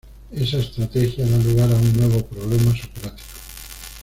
Esa estrategia da lugar a un nuevo problema socrático.